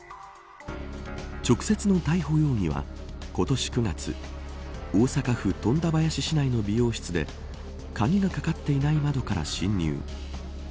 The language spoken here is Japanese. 直接の逮捕容疑は今年９月大阪府富田林市内の美容室で鍵がかかっていない窓から侵入。